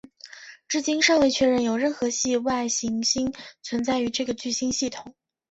至今尚未确认有任何系外行星存在于这个聚星系统。